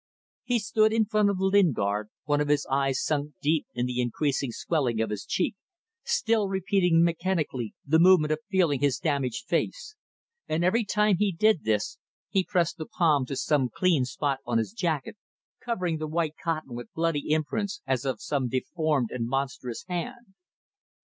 He stood in front of Lingard, one of his eyes sunk deep in the increasing swelling of his cheek, still repeating mechanically the movement of feeling his damaged face; and every time he did this he pressed the palm to some clean spot on his jacket, covering the white cotton with bloody imprints as of some deformed and monstrous hand.